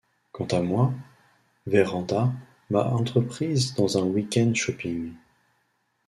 Quant à moi, Vérand’a m’a entreprise dans un week-end shopping.